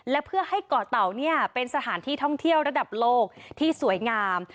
และเพื่อให้เกาะเตาเนี่ยเป็นสถานที่ท่องเที่ยวระดับโลกที่สวยงาม